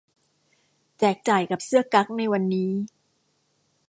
แจกจ่ายกับเสื้อกั๊กในวันนี้